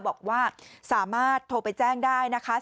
บอกว่าสามารถโทรไปแจ้งได้นะคะ